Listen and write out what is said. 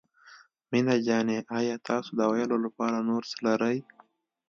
مينه جانې آيا تاسو د ويلو لپاره نور څه لرئ.